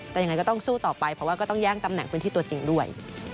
แต่ยังไงก็ต้องสู้ต่อไปเพราะว่าก็ต้องแย่งตำแหน่งพื้นที่ตัวจริงด้วย